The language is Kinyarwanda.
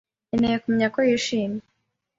Nkeneye kumenya ko yishimye.